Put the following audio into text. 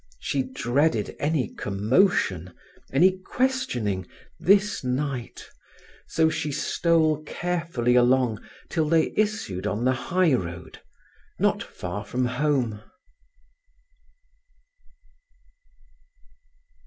She dreaded any commotion, any questioning, this night, so she stole carefully along till they issued on the high road not far from home.